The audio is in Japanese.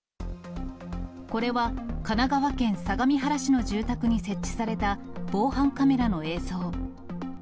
これは神奈川県相模原市の住宅に設置された防犯カメラの映像。